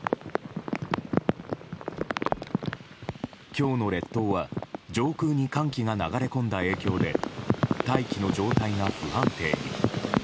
今日の列島は上空に寒気が流れ込んだ影響で大気の状態が不安定に。